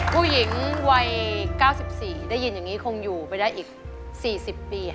ผู้หญิงวัย๙๔ได้ยินอย่างนี้คงอยู่ไปได้อีก๔๐ปี